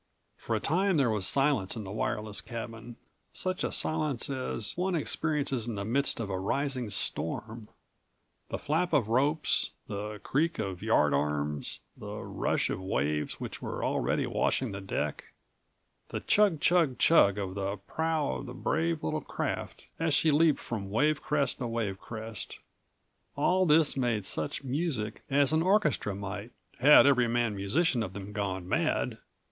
"171 For a time there was silence in the wireless cabin, such a silence as one experiences in the midst of a rising storm. The flap of ropes, the creak of yard arms, the rush of waves which were already washing the deck, the chug chug chug of the prow of the brave little craft as she leaped from wave crest to wave crest; all this made such music as an orchestra might, had every man musician of them gone mad.